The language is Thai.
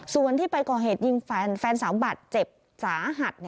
ส่วนที่ไปก่อเหตุยิงแฟนสาวบาดเจ็บสาหัส